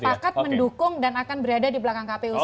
sepakat mendukung dan akan berada di belakang kpu sendiri